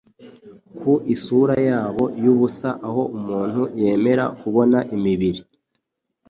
ku isura yabo yubusa aho umuntu yemera kubona imibiri